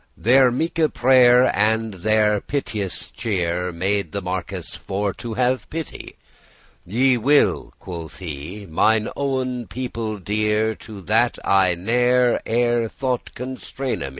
Their meeke prayer and their piteous cheer Made the marquis for to have pity. "Ye will," quoth he, "mine owen people dear, To that I ne'er ere* thought constraine me.